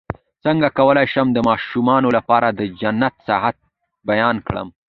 څنګه کولی شم د ماشومانو لپاره د جنت ساعت بیان کړم